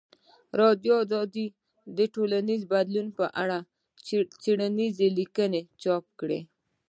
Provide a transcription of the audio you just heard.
ازادي راډیو د ټولنیز بدلون په اړه څېړنیزې لیکنې چاپ کړي.